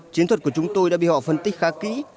chiến thuật của chúng tôi đã bị họ phân tích khá kỹ